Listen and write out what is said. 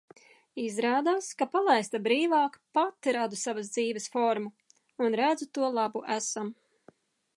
Izrādās, ka, palaista brīvāk, pati radu savas dzīves formu. Un redzu to labu esam.